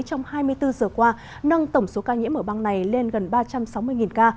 trong hai mươi bốn giờ qua nâng tổng số ca nhiễm ở bang này lên gần ba trăm sáu mươi ca